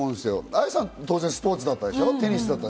愛さんは当然スポーツでしょ？